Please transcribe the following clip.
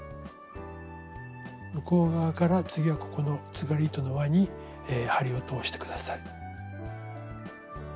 向こう側から次はここのつがり糸の輪に針を通して下さい。